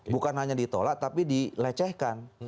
bukan hanya ditolak tapi dilecehkan